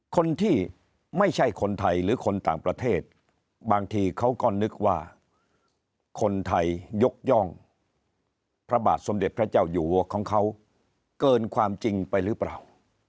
คนที่ไม่ใช่คนไทยหรือคนต่างประเทศบางทีเขาก็นึกว่าคนไทยยกย่องพระบาทสมเด็จพระเจ้าอยู่หัวของเขาเกินความจริงไปหรือเปล่า